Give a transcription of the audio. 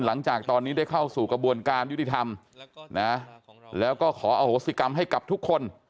หลังจากตอนนี้ได้เข้าสู่กระบวนการยุติธรรมนะแล้วก็ขออโหสิกรรมให้กับทุกคน